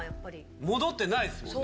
戻ってないですもんね